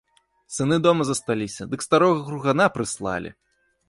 Сыны дома засталіся, дык старога гругана прыслалі!